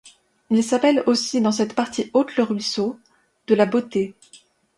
Il s'appelle aussi dans cette partie haute le ruisseau de la Beauté.